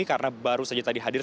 karena baru saja tadi hadir